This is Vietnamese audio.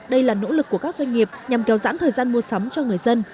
đây là nỗ lực của các doanh nghiệp nhằm kéo dãn thời gian mua sắm cho người dân